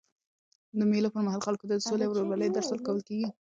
د مېلو پر مهال خلکو ته د سولي او ورورولۍ درس ورکول کېږي.